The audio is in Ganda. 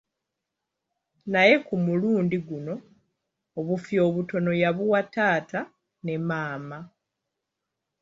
Naye ku mulundi guno obufi obutono ya buwa taata ne maama.